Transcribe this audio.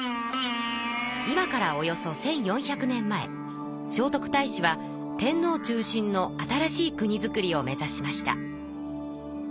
今からおよそ１，４００年前聖徳太子は天皇中心の新しい国づくりを目指しました。